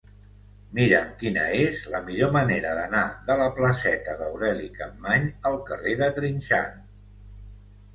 Mira'm quina és la millor manera d'anar de la placeta d'Aureli Capmany al carrer de Trinxant.